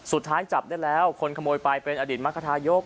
สุดท้ายจับได้แล้วคนขโมยไปเป็นอดีตมรรคทายก